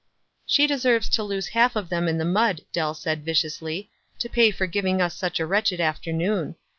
''She deserves to lose half of them in tho mud," Dell said, viciously, "to pay for giving us such a wretched afternoon.